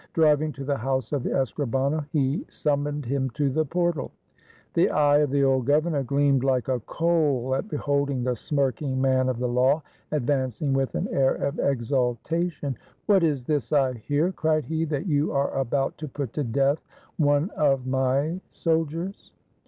Driving to the house of the escrihano, he summoned him to the portal. The eye of the old governor gleamed like a coal at beholding the smirking man of the law advancing with an air of exultation. "What is this I hear," cried he, "that you are about to put to death one of my soldiers?"